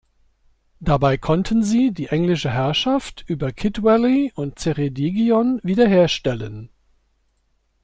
Dabei konnten sie die englische Herrschaft über Kidwelly und Ceredigion wiederherstellen.